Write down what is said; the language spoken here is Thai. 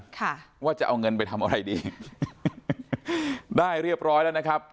ค่ะว่าจะเอาเงินไปทำอะไรดีได้เรียบร้อยแล้วนะครับ